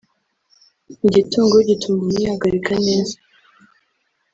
Igitunguru gituma umuntu yihagarika neza